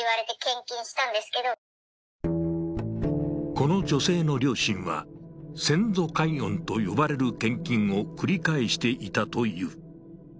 この女性の両親は先祖解怨と呼ばれる献金を繰り返していたという。